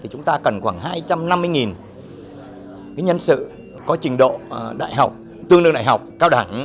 chúng ta cần khoảng hai trăm năm mươi nhân sự có trình độ tương đương đại học cao đẳng